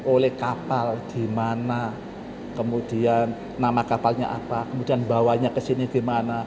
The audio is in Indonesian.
oleh kapal di mana kemudian nama kapalnya apa kemudian bawanya ke sini gimana